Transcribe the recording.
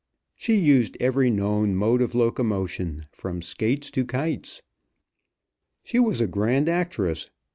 She used every known mode of locomotion, from skates to kites. She was a grand actress.